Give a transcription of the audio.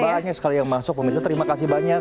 karena banyak sekali yang masuk pemirsa terima kasih banyak